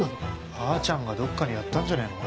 ばあちゃんがどっかにやったんじゃねえの？